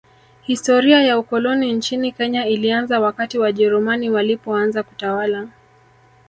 Historia ya ukoloni nchini Kenya ilianza wakati Wajerumani walipoanza kutawala